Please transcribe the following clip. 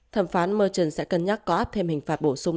thẩm phán merchon sẽ cân nhắc có áp thêm hình phạt bổ sung